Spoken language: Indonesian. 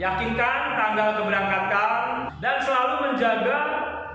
yakinkan tanggal keberangkatan dan selalu menjaga